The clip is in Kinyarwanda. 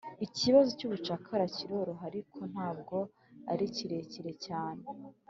ikibazo cy'ubucakara kiroroha, ariko ntabwo ari kirekire cyane